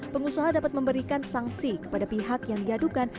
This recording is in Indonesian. pengusaha dapat memberikan sanksi kepada pihak yang diadukan